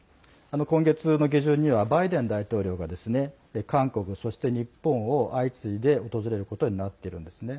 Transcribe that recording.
今月の下旬にはバイデン大統領が韓国、そして日本を相次いで訪れることになっているんですね。